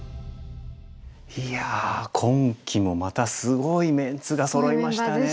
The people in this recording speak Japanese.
いや今期もまたすごいメンツがそろいましたね。